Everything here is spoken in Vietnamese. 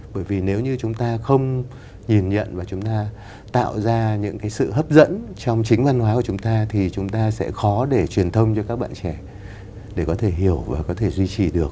bởi vì nếu như chúng ta không nhìn nhận và chúng ta tạo ra những cái sự hấp dẫn trong chính văn hóa của chúng ta thì chúng ta sẽ khó để truyền thông cho các bạn trẻ để có thể hiểu và có thể duy trì được